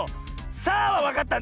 「さあ！」はわかったんだ。